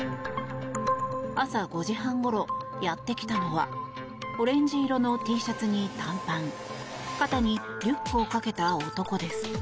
朝５時半ごろ、やってきたのはオレンジ色のＴシャツに短パン肩にリュックをかけた男です。